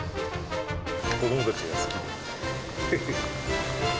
子どもたちが好きで。